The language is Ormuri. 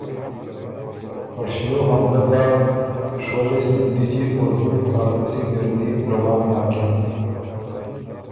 په شیو حملۀ داک شوهلیس مِلتجی او زُت کاړتُوسی ن اِر دی روان داکِن۔